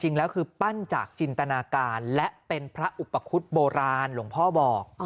จริงแล้วคือปั้นจากจินตนาการและเป็นพระอุปคุฎโบราณหลวงพ่อบอก